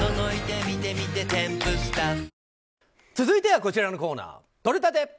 続いてはこちらのコーナーとれたて！